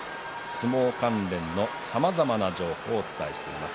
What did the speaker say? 相撲関連のさまざまな情報をお伝えしています。